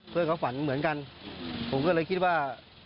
เพื่อนเขาฝันเหมือนกันผมก็เลยคิดว่า